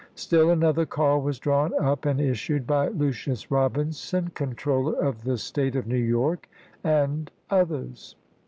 Still another call was drawn up and issued by Lucius Robinson, Controller of the State of New York, and others.